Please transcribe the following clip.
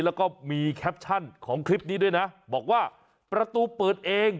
แล้วก็มีแคปชั่นของคลิปนี้ด้วยนะบอกว่าประตูเปิดเอง